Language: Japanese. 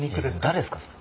誰っすかそれ。